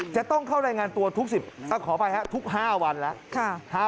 จะต้องเข้ารายงานตัวทุก๑๐ขออภัยครับทุก๕วันแล้ว